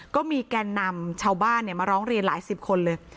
ก็มีแกนำชาวบ้านเนี่ยมาร้องเรียนหลายสิบคนเลย